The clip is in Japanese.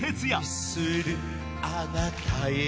あなたへ